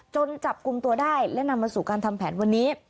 จับกลุ่มตัวได้และนำมาสู่การทำแผนวันนี้